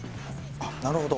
あっなるほど。